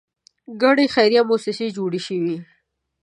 ګڼې خیریه موسسې جوړې شوې.